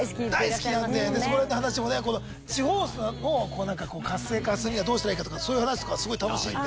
大好きなんでそこら辺の話もね。地方を活性化するにはどうしたらいいかとかそういう話とかすごい楽しいんで。